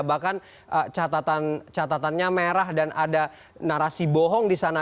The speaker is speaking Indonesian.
bahkan catatannya merah dan ada narasi bohong di sana